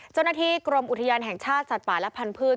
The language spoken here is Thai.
เจ้าหน้าที่กรมอุทยานแห่งชาติสัตว์ป่าและพันธุ์